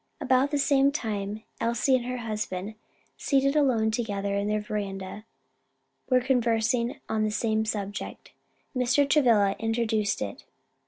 At about the same time Elsie and her husband, seated alone together in their veranda, were conversing on the same subject. Mr. Travilla introduced it.